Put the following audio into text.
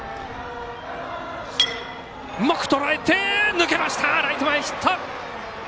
抜けました、ライト前ヒット。